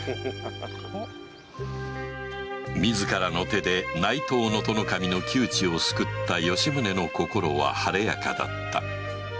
自らの手で内藤能登守の窮地を救った吉宗の心は晴れやかだった